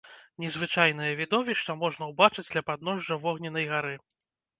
Незвычайнае відовішча можна ўбачыць ля падножжа вогненнай гары.